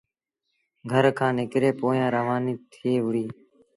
گھر کآݩ نڪري پويآن روآنيٚ ٿئي وُهڙيٚ۔